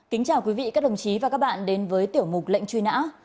kính chào quý vị các đồng chí và các bạn đến với tiểu mục lệnh truy nã